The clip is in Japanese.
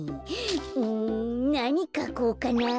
うんなにかこうかな。